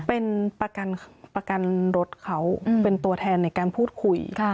เป็นประกันรถเขาเป็นตัวแทนในการพูดคุย